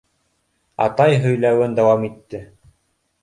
Атай һөйләүен дауам итте.